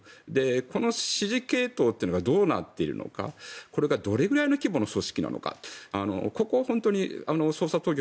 この指示系統というのがどうなっているのかこれがどれぐらいの規模の組織なのかここを本当に捜査当局